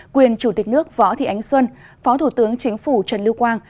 quyền chủ tịch nước võ thị ánh xuân phó thủ tướng chính phủ trần lưu quang